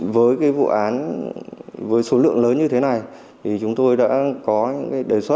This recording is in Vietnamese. với vụ án với số lượng lớn như thế này chúng tôi đã có đề xuất